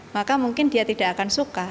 maka mungkin dia tidak akan suka